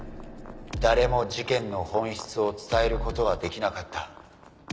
誰も事件の本質を伝えることはできなかった。